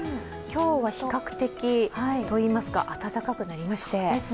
今日は比較的といいますか、暖かくなりまして。